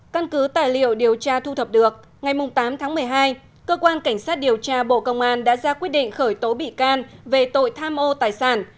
căn cứ tài liệu điều tra thu thập được ngày tám tháng một mươi hai cơ quan cảnh sát điều tra bộ công an đã ra quyết định khởi tố bị can về tội tham ô tài sản